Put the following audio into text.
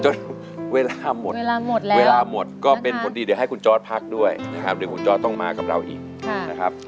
เวลาหมดเวลาหมดแล้วเวลาหมดก็เป็นผลดีเดี๋ยวให้คุณจอร์ดพักด้วยนะครับเดี๋ยวคุณจอร์ดต้องมากับเราอีกนะครับ